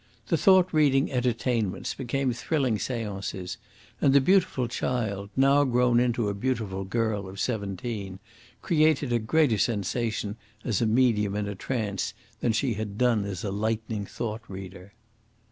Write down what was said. The thought reading entertainments became thrilling seances, and the beautiful child, now grown into a beautiful girl of seventeen, created a greater sensation as a medium in a trance than she had done as a lightning thought reader.